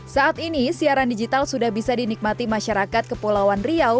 saat ini siaran digital sudah bisa dinikmati masyarakat kepulauan riau